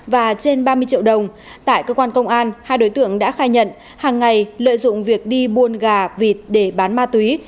và trên ba mươi triệu đồng tại cơ quan công an hai đối tượng đã khai nhận hàng ngày lợi dụng việc đi buôn gà vịt để bán ma túy